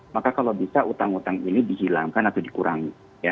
maka kalau bisa utang utang ini dihilangkan atau dikurangi